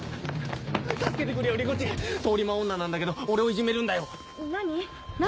助けてくれよ理子ちん通り魔女なんだけど俺をいじめるんだよ。何？